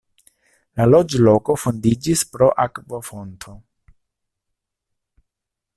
La loĝloko fondiĝis pro akvofonto.